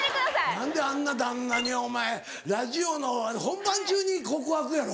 何であんな旦那にお前ラジオの本番中に告白やろ？